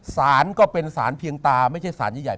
สารก็เป็นสารเพียงตาไม่ใช่สารใหญ่